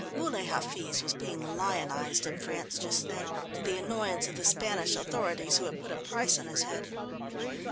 Muley Hafiz was being lionised in France just then, to the annoyance of the Spanish authorities, who had put a price on his head.